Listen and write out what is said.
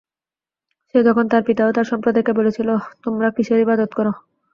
সে যখন তার পিতা ও তার সম্প্রদায়কে বলেছিল, তোমরা কিসের ইবাদত কর?